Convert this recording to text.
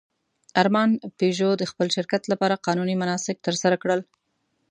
ارمان پيژو د خپل شرکت لپاره قانوني مناسک ترسره کړل.